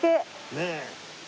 ねえ！